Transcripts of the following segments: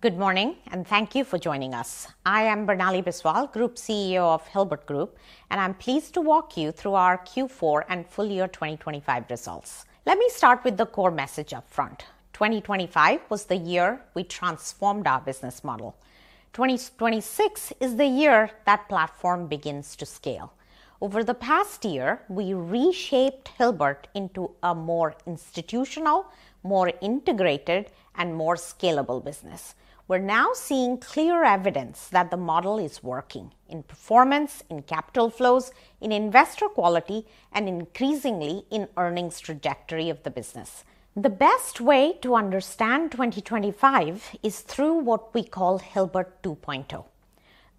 Good morning, and thank you for joining us. I am Barnali Biswal, Group CEO of Hilbert Group, and I'm pleased to walk you through our Q4 and full year 2025 results. Let me start with the core message up front. 2025 was the year we transformed our business model. 2026 is the year that platform begins to scale. Over the past year, we reshaped Hilbert into a more institutional, more integrated, and more scalable business. We're now seeing clear evidence that the model is working in performance, in capital flows, in investor quality, and increasingly in earnings trajectory of the business. The best way to understand 2025 is through what we call Hilbert 2.0.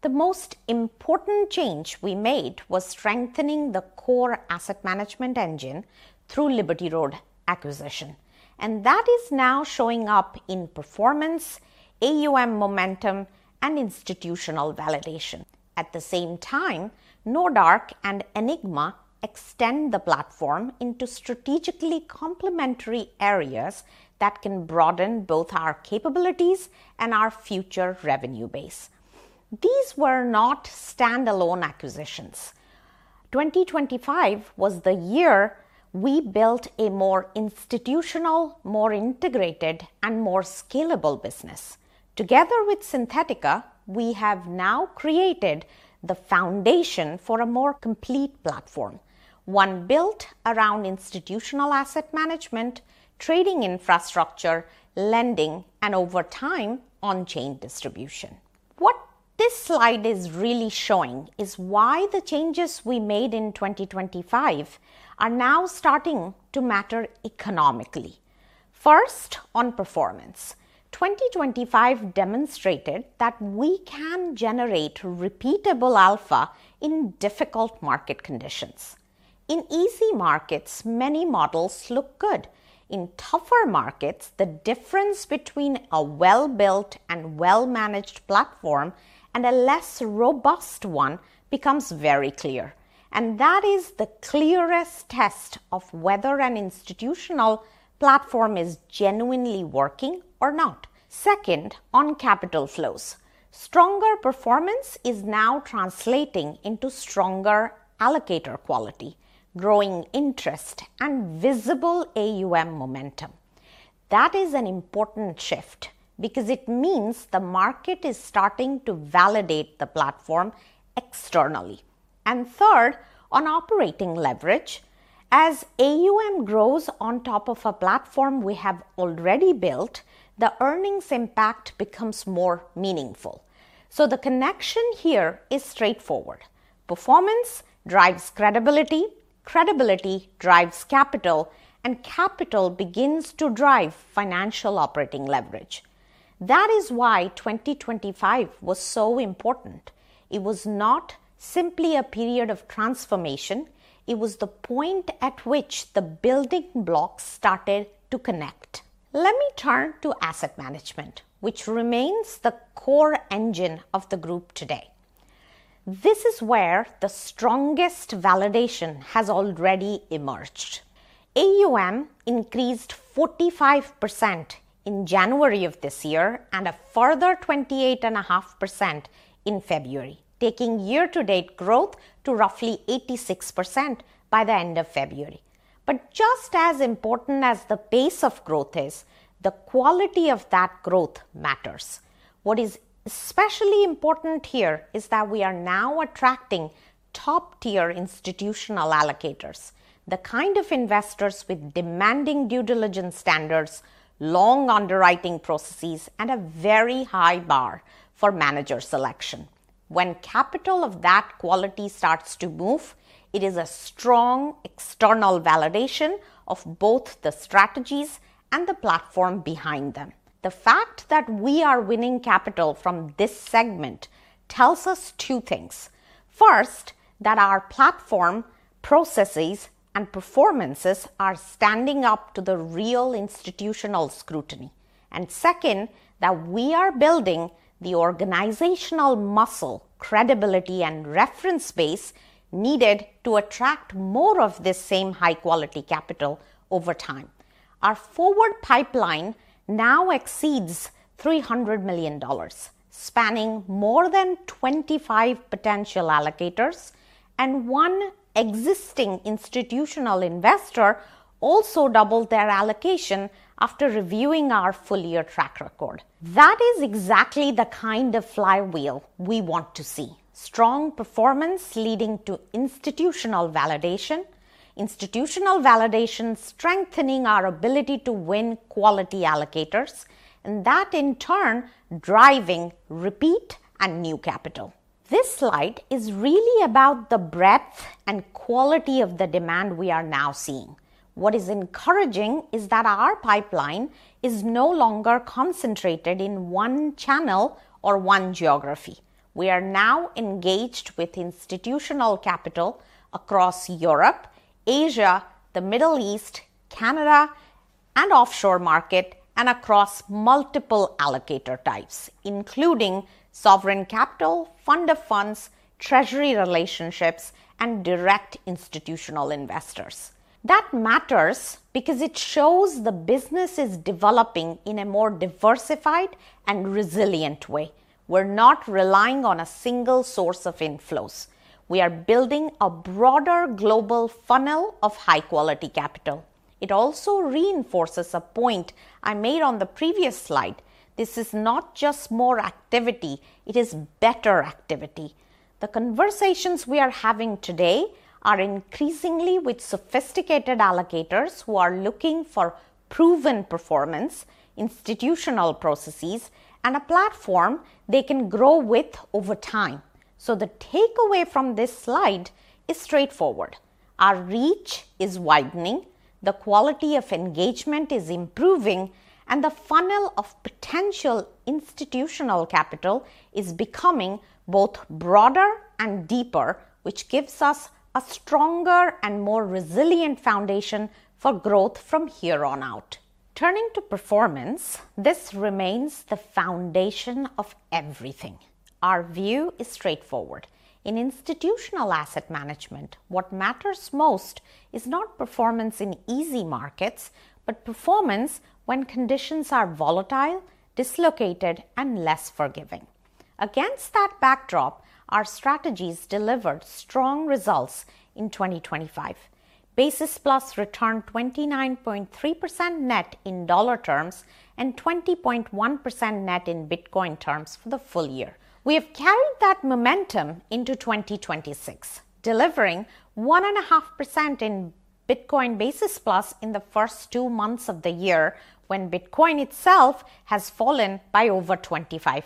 The most important change we made was strengthening the core asset management engine through Liberty Road acquisition, and that is now showing up in performance, AUM momentum, and institutional validation. At the same time, Nordark and Enigma extend the platform into strategically complementary areas that can broaden both our capabilities and our future revenue base. These were not stand-alone acquisitions. 2025 was the year we built a more institutional, more integrated, and more scalable business. Together with Syntetika, we have now created the foundation for a more complete platform. One built around institutional asset management, trading infrastructure, lending, and over time, on chain distribution. What this slide is really showing is why the changes we made in 2025 are now starting to matter economically. First, on performance. 2025 demonstrated that we can generate repeatable alpha in difficult market conditions. In easy markets, many models look good. In tougher markets, the difference between a well-built and well-managed platform and a less robust one becomes very clear, and that is the clearest test of whether an institutional platform is genuinely working or not. Second, on capital flows. Stronger performance is now translating into stronger allocator quality, growing interest, and visible AUM momentum. That is an important shift because it means the market is starting to validate the platform externally. Third, on operating leverage. As AUM grows on top of a platform we have already built, the earnings impact becomes more meaningful. The connection here is straightforward. Performance drives credibility drives capital, and capital begins to drive financial operating leverage. That is why 2025 was so important. It was not simply a period of transformation, it was the point at which the building blocks started to connect. Let me turn to asset management, which remains the core engine of the group today. This is where the strongest validation has already emerged. AUM increased 45% in January of this year, and a further 28.5% in February, taking year-to-date growth to roughly 86% by the end of February. Just as important as the pace of growth is, the quality of that growth matters. What is especially important here is that we are now attracting top-tier institutional allocators, the kind of investors with demanding due diligence standards, long underwriting processes, and a very high bar for manager selection. When capital of that quality starts to move, it is a strong external validation of both the strategies and the platform behind them. The fact that we are winning capital from this segment tells us two things. First, that our platform, processes, and performances are standing up to the real institutional scrutiny. Second, that we are building the organizational muscle, credibility, and reference base needed to attract more of this same high quality capital over time. Our forward pipeline now exceeds $300 million, spanning more than 25 potential allocators and one existing institutional investor also doubled their allocation after reviewing our full year track record. That is exactly the kind of flywheel we want to see. Strong performance leading to institutional validation, institutional validation strengthening our ability to win quality allocators, and that in turn driving repeat and new capital. This slide is really about the breadth and quality of the demand we are now seeing. What is encouraging is that our pipeline is no longer concentrated in one channel or one geography. We are now engaged with institutional capital across Europe, Asia, the Middle East, Canada, and offshore market, and across multiple allocator types, including sovereign capital, fund of funds, Treasury relationships, and direct institutional investors. That matters because it shows the business is developing in a more diversified and resilient way. We're not relying on a single source of inflows. We are building a broader global funnel of high-quality capital. It also reinforces a point I made on the previous slide. This is not just more activity, it is better activity. The conversations we are having today are increasingly with sophisticated allocators who are looking for proven performance, institutional processes, and a platform they can grow with over time. The takeaway from this slide is straightforward. Our reach is widening, the quality of engagement is improving, and the funnel of potential institutional capital is becoming both broader and deeper, which gives us a stronger and more resilient foundation for growth from here on out. Turning to performance, this remains the foundation of everything. Our view is straightforward. In institutional asset management, what matters most is not performance in easy markets, but performance when conditions are volatile, dislocated, and less forgiving. Against that backdrop, our strategies delivered strong results in 2025. Basis+ returned 29.3% net in dollar terms and 20.1% net in Bitcoin terms for the full year. We have carried that momentum into 2026, delivering 1.5% in Bitcoin Basis+ in the first two months of the year when Bitcoin itself has fallen by over 25%.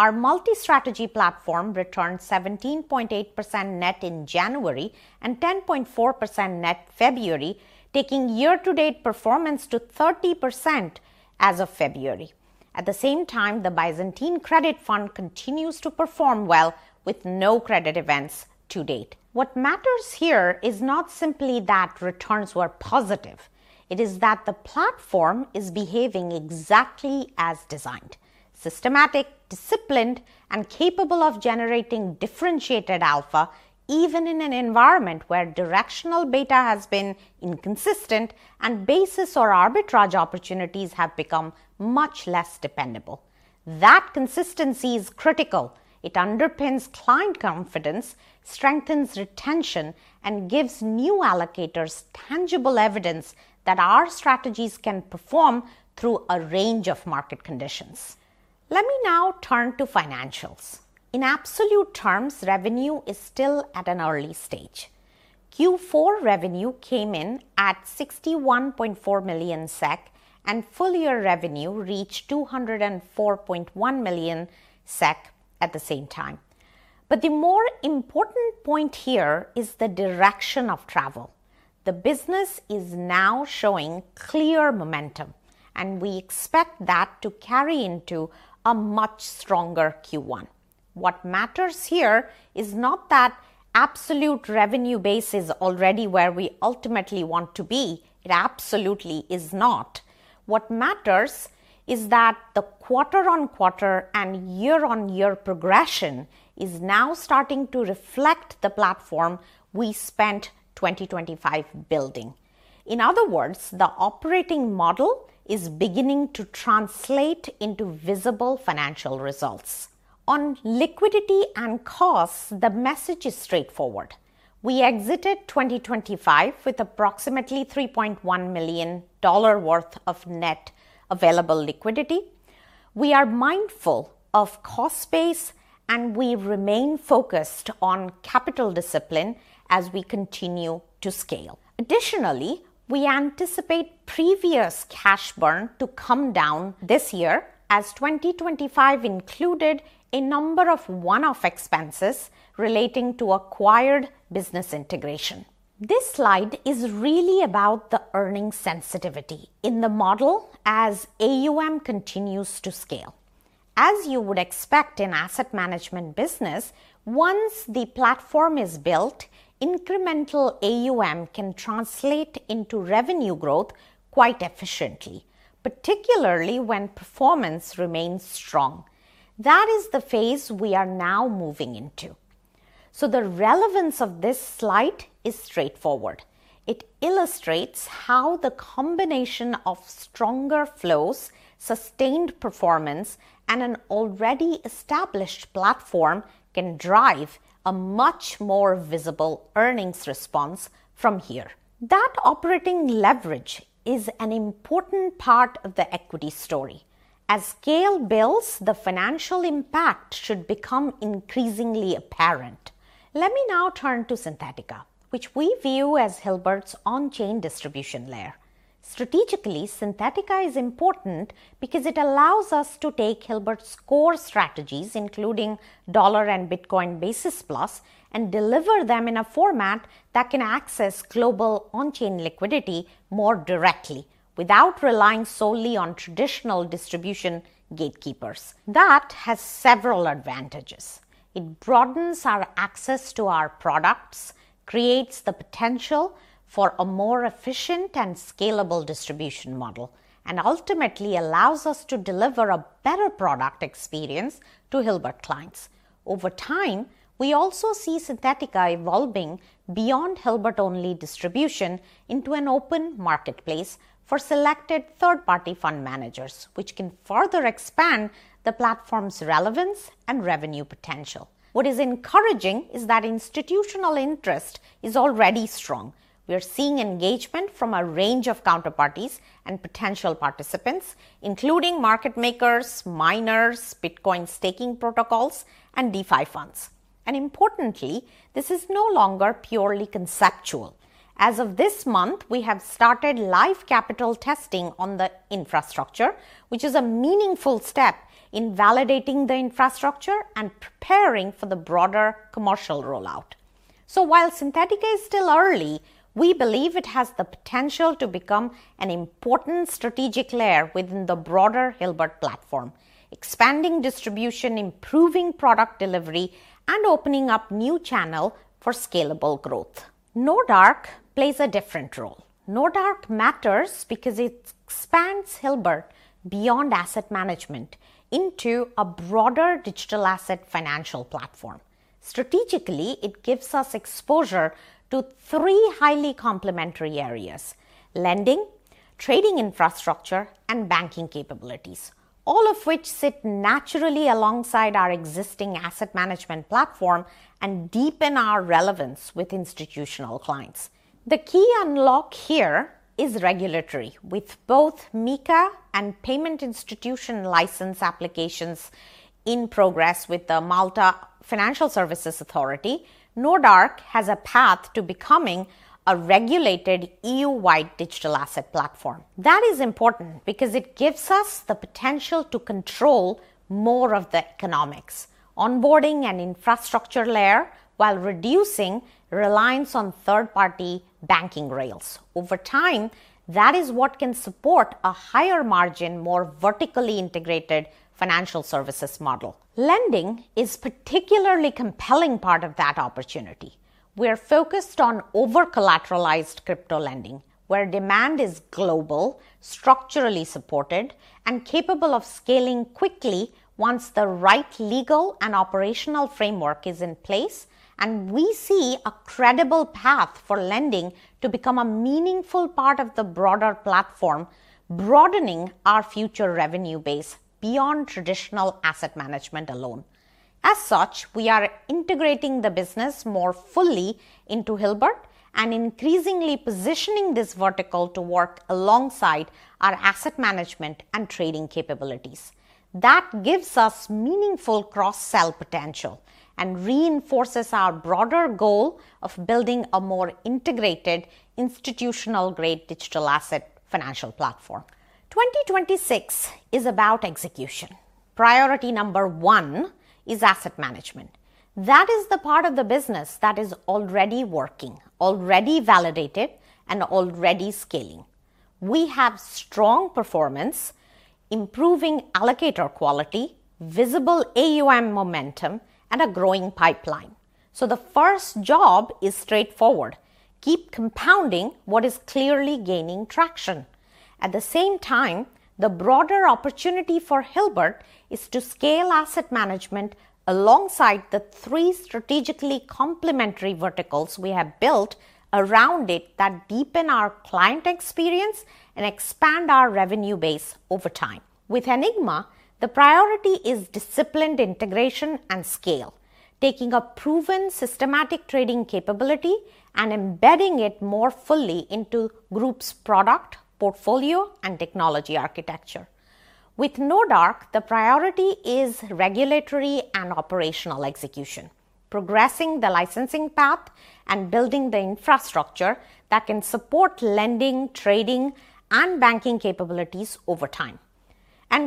Our multi-strategy platform returned 17.8% net in January and 10.4% net in February, taking year-to-date performance to 30% as of February. At the same time, the Byzantine Credit Fund continues to perform well with no credit events to date. What matters here is not simply that returns were positive. It is that the platform is behaving exactly as designed, systematic, disciplined, and capable of generating differentiated alpha, even in an environment where directional beta has been inconsistent and basis or arbitrage opportunities have become much less dependable. That consistency is critical. It underpins client confidence, strengthens retention, and gives new allocators tangible evidence that our strategies can perform through a range of market conditions. Let me now turn to financials. In absolute terms, revenue is still at an early stage. Q4 revenue came in at 61.4 million SEK, and full year revenue reached 204.1 million SEK at the same time. The more important point here is the direction of travel. The business is now showing clear momentum, and we expect that to carry into a much stronger Q1. What matters here is not that absolute revenue base is already where we ultimately want to be. It absolutely is not. What matters is that the quarter-on-quarter and year-on-year progression is now starting to reflect the platform we spent 2025 building. In other words, the operating model is beginning to translate into visible financial results. On liquidity and costs, the message is straightforward. We exited 2025 with approximately $3.1 million worth of net available liquidity. We are mindful of cost base, and we remain focused on capital discipline as we continue to scale. Additionally, we anticipate previous cash burn to come down this year, as 2025 included a number of one-off expenses relating to acquired business integration. This slide is really about the earning sensitivity in the model as AUM continues to scale. As you would expect in asset management business, once the platform is built, incremental AUM can translate into revenue growth quite efficiently, particularly when performance remains strong. That is the phase we are now moving into. The relevance of this slide is straightforward. It illustrates how the combination of stronger flows, sustained performance, and an already established platform can drive a much more visible earnings response from here. That operating leverage is an important part of the equity story. As scale builds, the financial impact should become increasingly apparent. Let me now turn to Syntetika, which we view as Hilbert's on-chain distribution layer. Strategically, Syntetika is important because it allows us to take Hilbert's core strategies, including dollar and Bitcoin Basis+, and deliver them in a format that can access global on-chain liquidity more directly without relying solely on traditional distribution gatekeepers. That has several advantages. It broadens our access to our products, creates the potential for a more efficient and scalable distribution model, and ultimately allows us to deliver a better product experience to Hilbert clients. Over time, we also see Syntetika evolving beyond Hilbert only distribution into an open marketplace for selected third-party fund managers, which can further expand the platform's relevance and revenue potential. What is encouraging is that institutional interest is already strong. We are seeing engagement from a range of counterparties and potential participants, including market makers, miners, Bitcoin staking protocols, and DeFi funds. Importantly, this is no longer purely conceptual. As of this month, we have started live capital testing on the infrastructure, which is a meaningful step in validating the infrastructure and preparing for the broader commercial rollout. While Syntetika is still early, we believe it has the potential to become an important strategic layer within the broader Hilbert platform, expanding distribution, improving product delivery, and opening up new channel for scalable growth. Nordark plays a different role. Nordark matters because it expands Hilbert beyond asset management into a broader digital asset financial platform. Strategically, it gives us exposure to three highly complementary areas, lending, trading infrastructure, and banking capabilities. All of which sit naturally alongside our existing asset management platform and deepen our relevance with institutional clients. The key unlock here is regulatory, with both MiCA and payment institution license applications in progress with the Malta Financial Services Authority. Nordark has a path to becoming a regulated EU-wide digital asset platform. That is important because it gives us the potential to control more of the economics, onboarding an infrastructure layer while reducing reliance on third-party banking rails. Over time, that is what can support a higher-margin, more vertically integrated financial services model. Lending is a particularly compelling part of that opportunity. We are focused on overcollateralized crypto lending, where demand is global, structurally supported, and capable of scaling quickly once the right legal and operational framework is in place, and we see a credible path for lending to become a meaningful part of the broader platform, broadening our future revenue base beyond traditional asset management alone. As such, we are integrating the business more fully into Hilbert and increasingly positioning this vertical to work alongside our asset management and trading capabilities. That gives us meaningful cross-sell potential and reinforces our broader goal of building a more integrated institutional grade digital asset financial platform. 2026 is about execution. Priority number one is asset management. That is the part of the business that is already working, already validated, and already scaling. We have strong performance, improving allocator quality, visible AUM momentum, and a growing pipeline. The first job is straightforward. Keep compounding what is clearly gaining traction. At the same time, the broader opportunity for Hilbert is to scale asset management alongside the three strategically complementary verticals we have built around it that deepen our client experience and expand our revenue base over time. With Enigma, the priority is disciplined integration and scale, taking a proven systematic trading capability and embedding it more fully into Group's product, portfolio, and technology architecture. With Nordark, the priority is regulatory and operational execution, progressing the licensing path and building the infrastructure that can support lending, trading, and banking capabilities over time.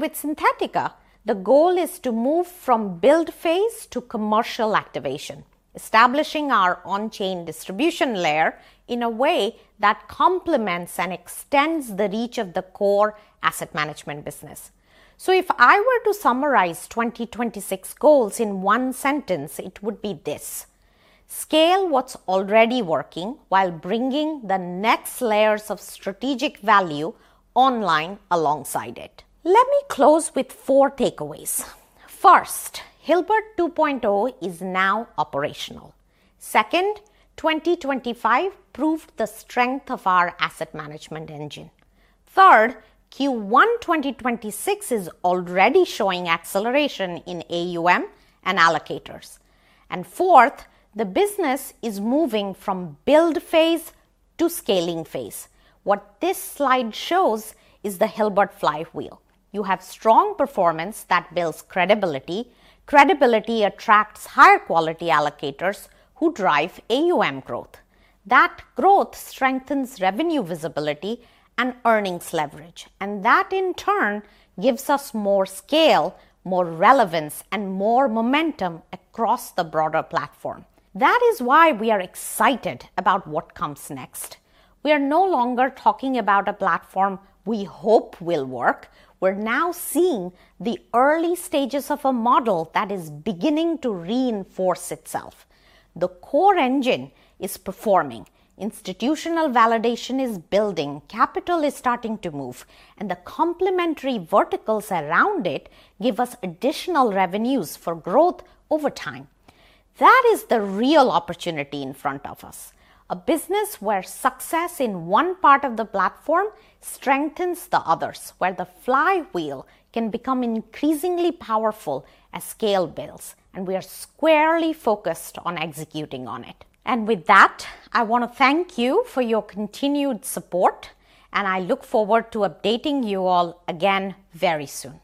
With Syntetika, the goal is to move from build phase to commercial activation, establishing our on-chain distribution layer in a way that complements and extends the reach of the core asset management business. If I were to summarize 2026 goals in one sentence, it would be this. Scale what's already working while bringing the next layers of strategic value online alongside it. Let me close with four takeaways. First, Hilbert 2.0 is now operational. Second, 2025 proved the strength of our asset management engine. Third, Q1 2026 is already showing acceleration in AUM and allocators. Fourth, the business is moving from build phase to scaling phase. What this slide shows is the Hilbert flywheel. You have strong performance that builds credibility. Credibility attracts higher quality allocators who drive AUM growth. That growth strengthens revenue visibility and earnings leverage. That in turn gives us more scale, more relevance, and more momentum across the broader platform. That is why we are excited about what comes next. We are no longer talking about a platform we hope will work. We're now seeing the early stages of a model that is beginning to reinforce itself. The core engine is performing, institutional validation is building, capital is starting to move, and the complementary verticals around it give us additional revenues for growth over time. That is the real opportunity in front of us. A business where success in one part of the platform strengthens the others, where the flywheel can become increasingly powerful as scale builds, and we are squarely focused on executing on it. With that, I wanna thank you for your continued support, and I look forward to updating you all again very soon.